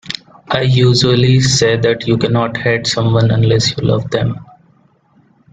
I usually say that you cannot hate someone unless you love them.